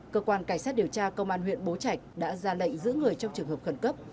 cơ quan cảnh sát điều tra công an huyện bố trạch đã ra lệnh giữ người trong trường hợp khẩn cấp